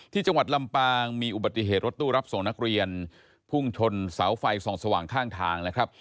ที่จังหวัดลำปางมีอุบัติเหตุรถตู้รับส่งนักเรียนพุ่งชนเสาไฟส่องสว่างข้างทางนะครับ